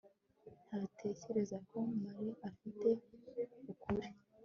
ntatekereza ko mariya afite ukuri